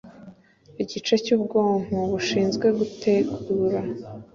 Igice cyubwonko bushinzwe gutegura